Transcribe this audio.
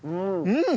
うん！